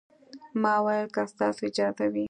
ما وويل که ستاسو اجازه وي.